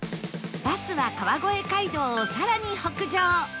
バスは川越街道をさらに北上